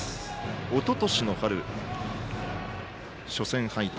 おととしの春、初戦敗退。